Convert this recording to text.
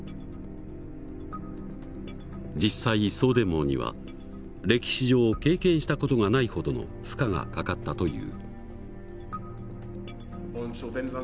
実際送電網には歴史上経験した事がないほどの負荷がかかったという。